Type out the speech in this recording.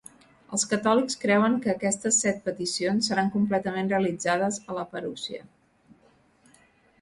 Els catòlics creuen que aquestes set peticions seran completament realitzades a la Parusia.